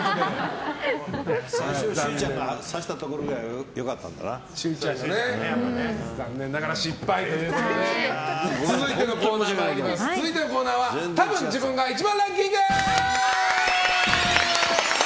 最初、修ちゃんが指したところが残念ながら失敗ということで続いてのコーナーはたぶん自分が１番ランキング。